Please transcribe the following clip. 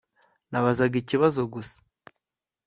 Nabazaga ikibazo gusa